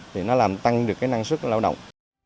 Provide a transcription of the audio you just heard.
thì nó làm tăng được cái năng sức lão động